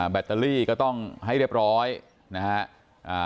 แบตเตอรี่ก็ต้องให้เรียบร้อยนะฮะ